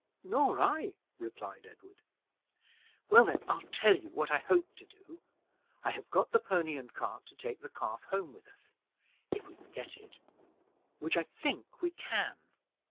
"Nor I," replied Edward. "Well, then, I'll tell you what I hope to do. I have got the pony and cart to take the calf home with us, if we can get it which I think we can.